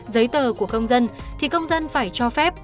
giấy tờ của công dân thì công dân phải cho phép